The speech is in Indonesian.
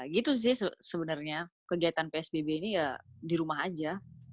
gitu sih sebenarnya kegiatan psbb ini ya di rumah aja